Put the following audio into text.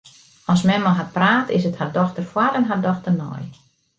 As men mei har praat, is it har dochter foar en har dochter nei.